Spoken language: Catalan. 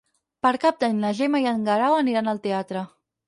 Per Cap d'Any na Gemma i en Guerau aniran al teatre.